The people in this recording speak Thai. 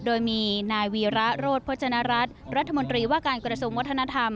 โดยมีนายวีระโรธพจนรัฐรัฐรัฐมนตรีว่าการกระทรวงวัฒนธรรม